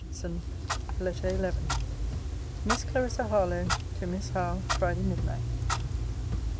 ] LETTER XI MISS CLARISSA HARLOWE, TO MISS HOWE FRIDAY MIDNIGHT.